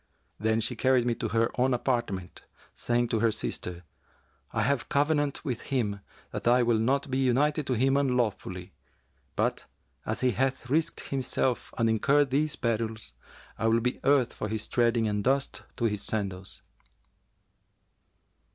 Then she carried me to her own apartment, saying to her sister, 'I have covenanted with him that I will not be united to him unlawfully; but, as he hath risked himself and incurred these perils, I will be earth for his treading and dust to his sandals!'"